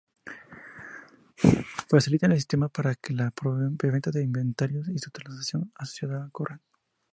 Facilitan el sistema para que la compraventa de inventario y su transacción asociada ocurran.